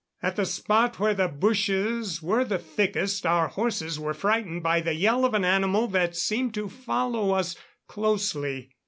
At the spot where the bushes were the thickest, our horses were frightened by the yell of an animal that seemed to follow us closely.